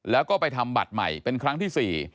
แล้วก็ไปทำบัตรใหม่เป็นครั้งที่๔